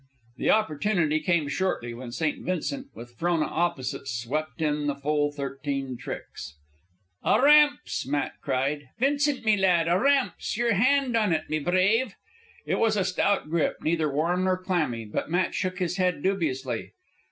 The opportunity came shortly, when St. Vincent, with Frona opposite, swept in the full thirteen tricks. "A rampse!" Matt cried. "Vincent, me lad, a rampse! Yer hand on it, me brave!" It was a stout grip, neither warm nor clammy, but Matt shook his head dubiously.